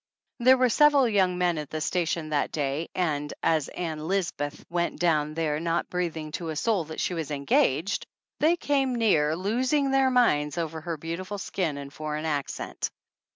There were several young men at the station that day, and, as Ann Lisbeth went down there not breathing to a soul that she was engaged, 46 THE ANNALS OF ANN they came near losing their minds over her beau tiful skin and foreign accent.